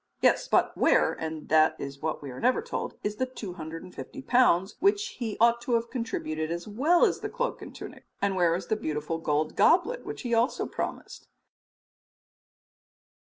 Yes, but where and that is what we are never told is the 250 pounds which he ought to have contributed as well as the cloak and tunic? And where is the beautiful gold goblet which he had also promised?